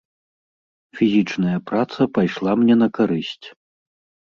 Фізічная праца пайшла мне на карысць.